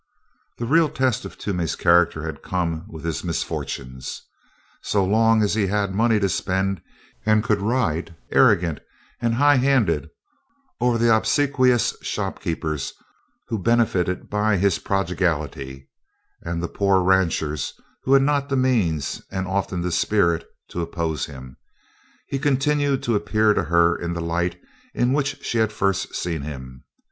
The real test of Toomey's character had come with his misfortunes. So long as he had money to spend and could ride, arrogant and high handed, over the obsequious shopkeepers who benefited by his prodigality, and the poor ranchers who had not the means, or often the spirit, to oppose him, he continued to appear to her in the light in which she had first seen him.